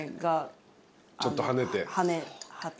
ちょっとはねて。